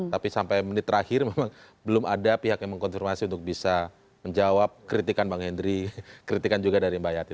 tapi sampai menit terakhir memang belum ada pihak yang mengkonfirmasi untuk bisa menjawab kritikan bang hendry kritikan juga dari mbak yati